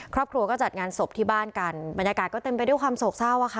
ครอบครัวก็จัดงานศพที่บ้านกันบรรยากาศก็เต็มไปด้วยความโศกเศร้าอ่ะค่ะ